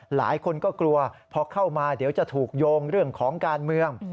หลายคนก็กลัวพอเข้ามาเดี๋ยวจะถูกโยงเรื่องของการเมือง